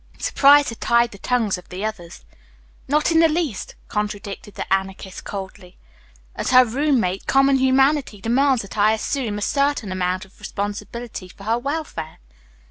Surprise had tied the tongues of the others. "Not in the least," contradicted the Anarchist coldly. "As her roommate, common humanity demands that I assume a certain amount of responsibility for her welfare."